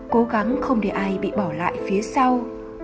cố gắng không để ai bị bỏ lại phía sau